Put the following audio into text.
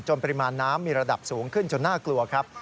ปริมาณน้ำมีระดับสูงขึ้นจนน่ากลัวครับ